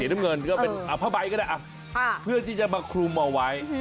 น้ำเงินก็เป็นผ้าใบก็ได้เพื่อที่จะมาคลุมเอาไว้